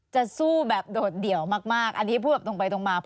จะสู้แบบโดดเดี่ยวมากอันนี้พูดแบบตรงไปตรงมา